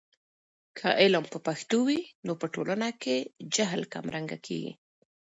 که علم په پښتو وي، نو په ټولنه کې د جهل کمرنګه کیږي.